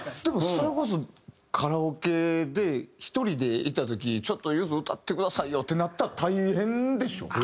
でもそれこそカラオケで１人で行った時ちょっとゆず歌ってくださいよってなったら大変でしょ？